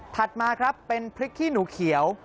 มาครับเป็นพริกขี้หนูเขียว